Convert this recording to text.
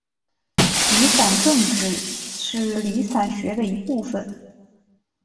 离散政治是离散学的一部份。